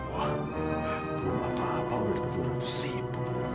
wah apa apaan di depan orang itu sering